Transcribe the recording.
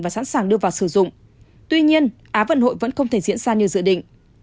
và sẵn sàng đưa vào sử dụng tuy nhiên á vận hội vẫn không thể diễn ra như dự định